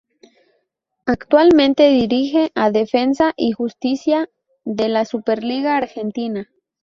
Actualmente dirige a Defensa y Justicia de la Superliga Argentina.